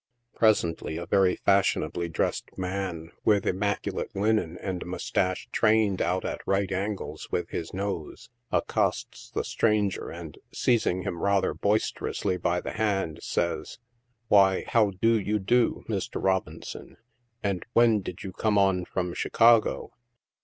Presently, a very fashionably dresred man, 62 NIGHT SIDE OF NEW YORK. with immaculate linen, and a mous cache trained out at right angles with his nose, accosts the stranger, and, seizing him rather boister ously by the hand, says :" Why, how do you do, Mr. Robinson ; and when did you come ou from Chicago